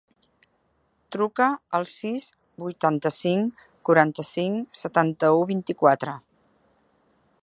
Truca al sis, vuitanta-cinc, quaranta-cinc, setanta-u, vint-i-quatre.